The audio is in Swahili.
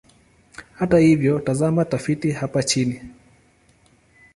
Hata hivyo, tazama tafiti hapa chini.